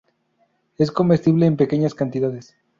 Es comestible en pequeñas cantidades.